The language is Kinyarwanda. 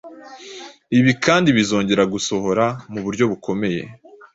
Ibi kandi bizongera gusohora mu buryo bukomeye